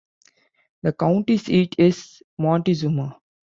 The county seat is Montezuma.